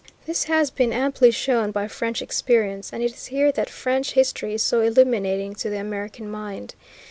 This has been amply shown by French experience, and it is here that French history is so illuminating to the American mind.